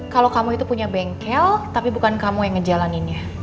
kalau kamu itu punya bengkel tapi bukan kamu yang ngejalaninnya